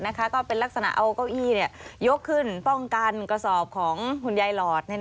ก็เป็นลักษณะเอาเก้าอี้ยกขึ้นป้องกันกระสอบของคุณยายหลอด